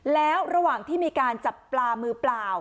แล้วระหว่างที่มีการจับปลามือเปล่า